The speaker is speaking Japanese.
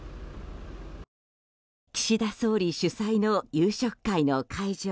岸田総理主催の夕食会の会場